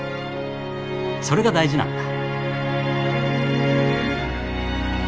それが大事なんだ。